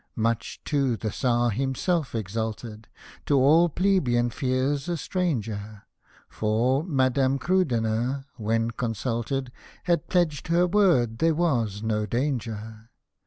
Much too the Czar himself exulted, To all plebeian fears a stranger. For, Madame Krudener, when consulted. Had pledged her word there was no danger.